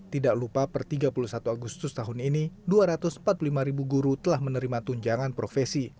tidak lupa per tiga puluh satu agustus tahun ini dua ratus empat puluh lima ribu guru telah menerima tunjangan profesi